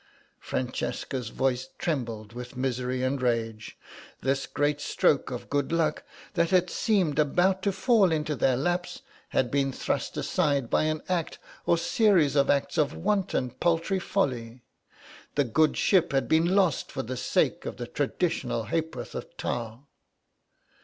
Francesca's voice trembled with misery and rage. This great stroke of good luck that had seemed about to fall into their laps had been thrust aside by an act or series of acts of wanton paltry folly. The good ship had been lost for the sake of the traditional ha'porth of tar.